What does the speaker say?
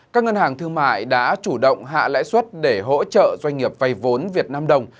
các ngân hàng thương mại đã chủ động hạ lãi suất để hỗ trợ doanh nghiệp vây vốn việt nam đồng